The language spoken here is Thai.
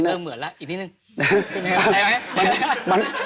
เธอเป็นฮีเหมือนละอีกนิดนึง